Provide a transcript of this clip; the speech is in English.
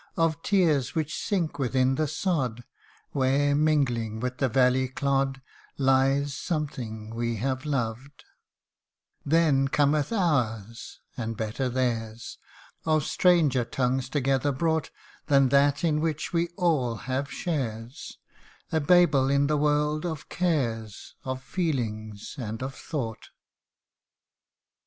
239 Of tears which sink within the sod, Where, mingling with the valley clod, Lies something we have loved : Then cometh ours ; and better theirs Of stranger tongues together brought, Than that in which we all have shares, A Babel in a world of cares Of feeling and of thought